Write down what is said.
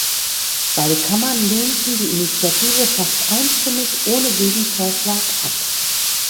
Beide Kammern lehnten die Initiative fast einstimmig ohne Gegenvorschlag ab.